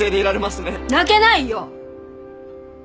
泣けないよ！